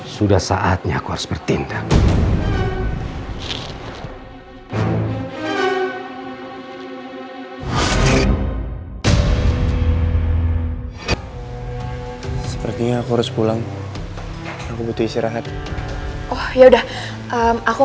sudah saatnya aku harus bertindak